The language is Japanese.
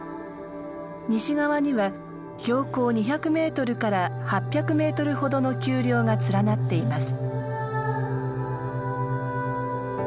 西側には標高２００メートルから８００メートルほどの丘陵が連なっています。